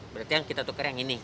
berarti yang kita tukar yang ini